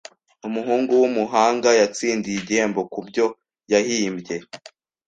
Umuhungu wumuhanga yatsindiye igihembo kubyo yahimbye